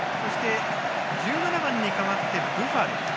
そして、１２番に代わってブファル。